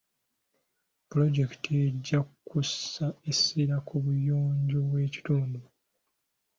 Pulojekiti ejja kussa essira ku buyonjo bw'ekitundu.